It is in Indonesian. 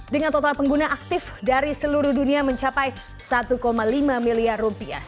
dengan total pengguna aktif dari seluruh dunia mencapai satu lima miliar rupiah